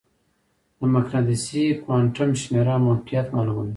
د مقناطیسي کوانټم شمېره موقعیت معلوموي.